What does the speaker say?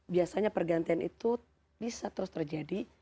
biasanya pergantian itu bisa terus terjadi